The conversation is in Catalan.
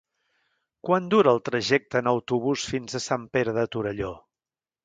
Quant dura el trajecte en autobús fins a Sant Pere de Torelló?